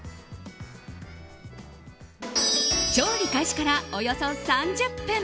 調理開始からおよそ３０分